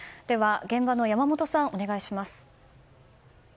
現場の山本さん、お願いします。